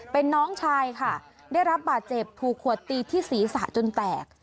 เป็นน้องชายค่ะได้รับบาดเจ็บถูกขวดตีที่ศีรษะจนแตก